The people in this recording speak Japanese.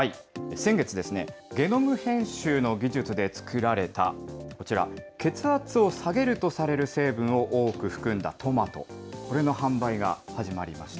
先月、ゲノム編集の技術で作られたこちら、血圧を下げるとされる成分を多く含んだトマト、これの販売が始まりました。